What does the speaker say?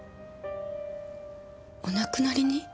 お亡くなりに？